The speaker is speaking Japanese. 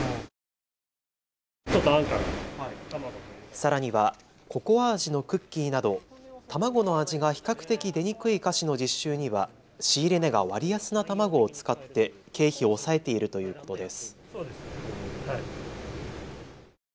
さらにはココア味のクッキーなど卵の味が比較的出にくい菓子の実習には仕入れ値が割安な卵を使って経費を抑えているということです。